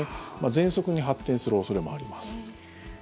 ぜんそくに発展する恐れもあります。